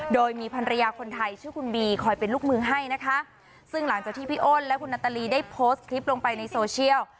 โดยมีภรรยาคนไทยชื่อคุณบีคอยเป็นลูกมือให้นะคะซึ่งหลังจากที่พี่อ้นและคุณนาตาลีได้โพสต์คลิปลงไปในโซเชียล